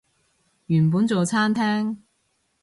原本做餐廳